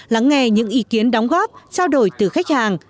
lắng nghe những ý kiến đóng góp trao đổi từ khách hàng